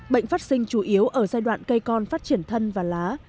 bệnh phát sinh chủ yếu ở giai đoạn cây con phát triển thân và lá